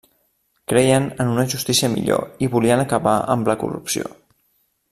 Creien en una justícia millor i volien acabar amb la corrupció.